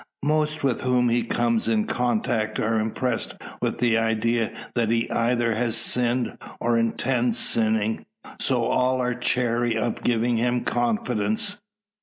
Most with whom he comes in contact are impressed with the idea, that he either has sinned, or intends sinning; so all are chary of giving him confidence.